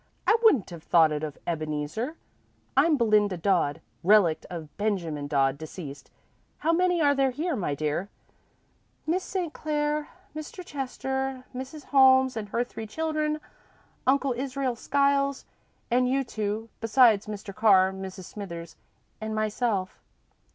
"I wouldn't have thought it of Ebeneezer. I'm Belinda Dodd, relict of Benjamin Dodd, deceased. How many are there here, my dear?" "Miss St. Clair, Mr. Chester, Mrs. Holmes and her three children, Uncle Israel Skiles, and you two, besides Mr. Carr, Mrs. Smithers, and myself."